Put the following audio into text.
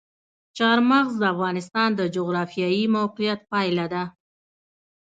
چار مغز د افغانستان د جغرافیایي موقیعت پایله ده.